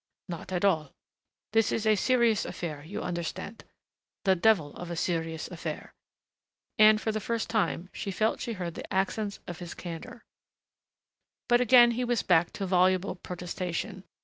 "Not at all. This is a serious affair, you understand the devil of a serious affair!" and for the first time she felt she heard the accents of his candor. But again he was back to voluble protestation.